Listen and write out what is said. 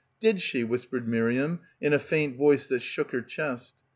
"Did she," whispered Miriam in a faint voice that shook her chest.